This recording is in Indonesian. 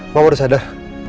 mak udah sadar